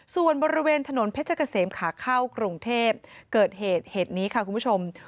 ส่วนบริเวณถนนเพชรเกษมขาเข้ากรุงเทพเกิดเหตุเหตุนี้ค่ะคุณผู้ชม